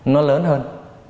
nó lớn hơn